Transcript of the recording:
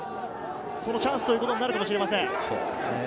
そのチャンスということになるかもしれません。